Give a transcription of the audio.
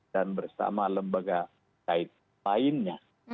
dan bersama lembaga kait lainnya